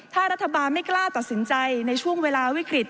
ถ้ารัฐบาลไม่กล้าตัดสินใจในช่วงเวลาวิกฤต